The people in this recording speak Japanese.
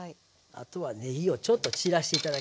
あとはねぎをちょっと散らして頂ければ。